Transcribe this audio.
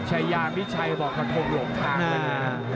ชายามิชัยบอกเขาทดโรคทางเลยนะครับ